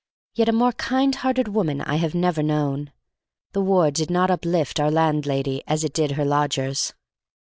Yet a more kind hearted woman I have never known. The war did not uplift our landlady as it did her lodgers.